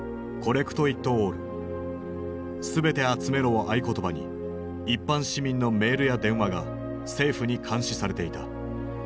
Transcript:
を合言葉に一般市民のメールや電話が政府に監視されていた。